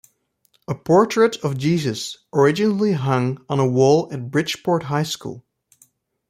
A portrait of Jesus originally hung on a wall at Bridgeport High School.